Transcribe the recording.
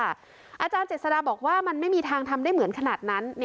อาจารย์เจษฎาบอกว่ามันไม่มีทางทำได้เหมือนขนาดนั้น